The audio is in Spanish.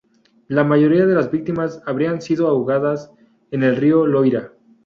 La mayoría de las víctimas habrían sido ahogadas en el río Loira.